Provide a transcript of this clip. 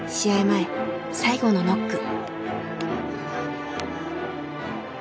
前最後のノック。